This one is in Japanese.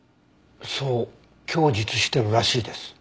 そう供述してるらしいです。